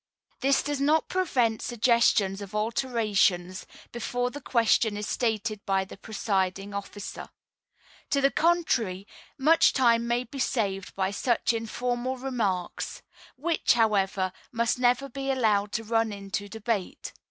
This does not prevent suggestions of alterations, before the question is stated by the presiding officer. To the contrary, much time may be saved by such informal remarks; which, however, must never be allowed to run into debate.